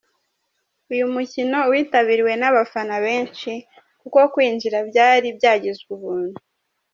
Uyu mukino witabiriwe n’abafana benshi kuko kwinjira byari byagizwe ubuntu.